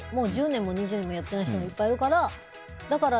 １０年も２０年もやってない人もいっぱいいるから。